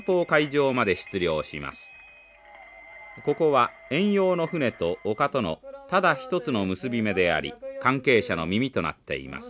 ここは遠洋の船と陸とのただ一つの結び目であり関係者の耳となっています。